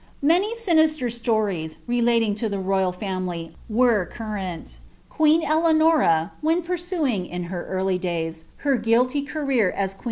Many sinister stories, relating lo the royal family, were cumnL ^IM Kleannra, when pursuing, in her early days, her guilty raro r aa ipi ' Cluouia.